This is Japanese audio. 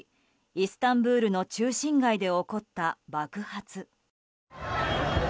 イスタンブールの中心街で起こった爆発。